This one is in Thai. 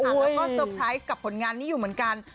แล้วก็เซอร์ไพรส์กับผลงานนี้อยู่เหมือนกัน